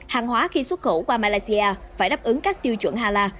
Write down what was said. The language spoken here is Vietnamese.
hàng hóa khi xuất khẩu qua malaysia phải đáp ứng các tiêu chuẩn hala